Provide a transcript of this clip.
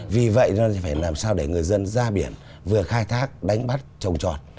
tiến ra biển vừa khai thác đánh bắt trồng trọt